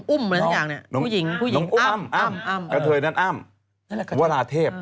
อุ่มเพลงว่าลาเท็ป